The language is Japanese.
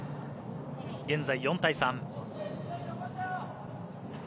現在、４対３。